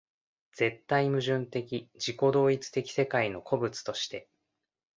絶対矛盾的自己同一的世界の個物として